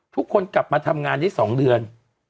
ทุกคนกลับมาทำงานได้๒เดือน